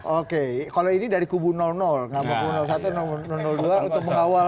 oke kalau ini dari kubu nama kubu satu dua untuk mengawal